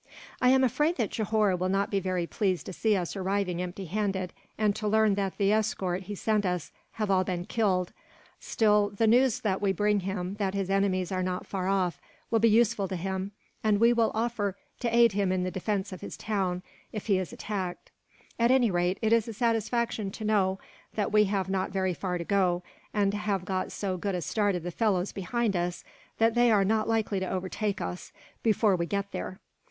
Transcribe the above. "I am afraid that Johore will not be very pleased to see us arriving empty handed, and to learn that the escort he sent us have all been killed. Still, the news that we bring him, that his enemies are not far off, will be useful to him; and we will offer to aid him in the defence of his town, if he is attacked. At any rate, it is a satisfaction to know that we have not very far to go, and have got so good a start of the fellows behind us that they are not likely to overtake us, before we get there."